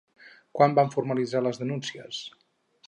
Quan es van formalitzar les denúncies?